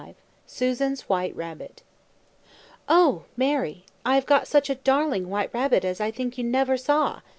] Susan's White Rabbit. Oh! Mary, I have got such a darling white rabbit as I think you never saw.